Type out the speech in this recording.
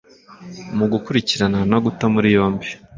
mu gukurikirana no guta muri yombi